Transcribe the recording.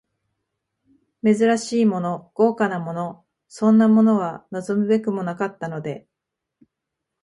珍しいもの、豪華なもの、そんなものは望むべくもなかったので、